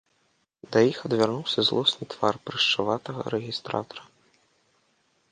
Да іх адвярнуўся злосны твар прышчаватага рэгістратара.